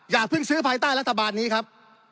อย่าเพิ่งซื้อภายใต้รัฐบาลนี้ครับ